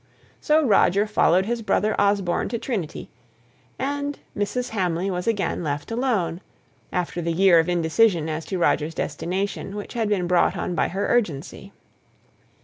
So Roger followed his brother Osborne to Trinity, and Mrs. Hamley was again left alone, after the year of indecision as to Roger's destination, which had been brought on by her urgency.